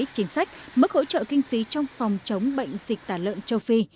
chính sách mức hỗ trợ kinh phí trong phòng chống bệnh dịch tả lợn châu phi